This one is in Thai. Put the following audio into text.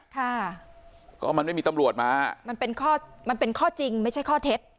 ค่ะก็มันไม่มีตำรวจมามันเป็นข้อมันเป็นข้อจริงไม่ใช่ข้อเท็จจริง